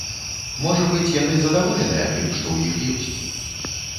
Можа быць, яны задаволеныя тым, што ў іх ёсць.